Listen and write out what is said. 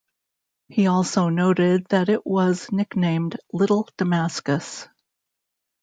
He also noted that it was nicknamed Little Damascus.